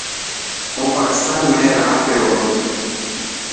هون پاڪتان ۾ رهنا پيو.